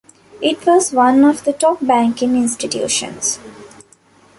It was one of the top banking institutions.